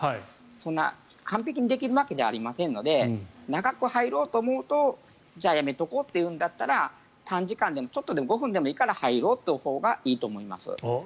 そんな完璧にできるわけではありませんので長く入ろうと思うとじゃあやめとこうとなるんだったら、短時間でもちょっとでも、５分でもいいから入ろうというほうがいいと思います。